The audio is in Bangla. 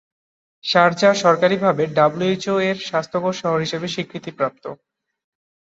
শারজাহ সরকারিভাবে ডব্লিউএইচও-এর স্বাস্থ্যকর শহর হিসাবে স্বীকৃতিপ্রাপ্ত।